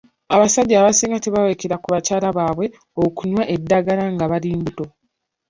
Abasajja abasinga tebawerekera ku bakyala baabwe okunywa eddagala nga bali mbuto.